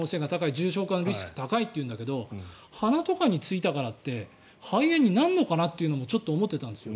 重症化のリスクが高いというんだけど鼻とかについたからって肺炎になるのかなというのもちょっと思っていたんですよ。